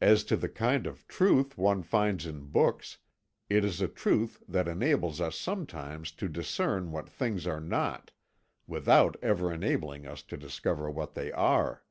As to the kind of truth one finds in books, it is a truth that enables us sometimes to discern what things are not, without ever enabling us to discover what they are.